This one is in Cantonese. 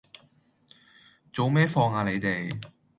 早咩放呀你哋